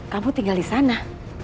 kamu tinggal di sana